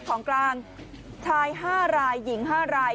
ของกลางชาย๕รายหญิง๕ราย